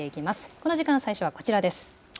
この時間、最初はこちらです。